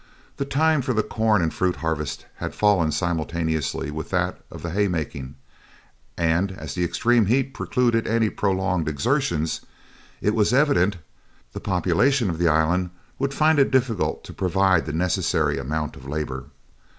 The time for the corn and fruit harvest had fallen simultaneously with that of the haymaking; and as the extreme heat precluded any prolonged exertions, it was evident "the population" of the island would find it difficult to provide the necessary amount of labor.